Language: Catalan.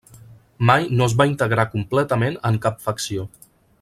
Mai no es va integrar completament en cap facció.